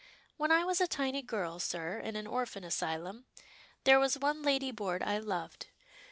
" When I was a tiny girl, sir, in an orphan asylum, there was one ladyboard I loved.